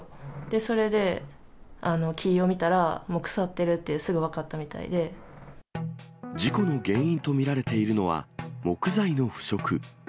それで、木を見たらもう腐ってるって、事故の原因と見られているのは、木材の腐食。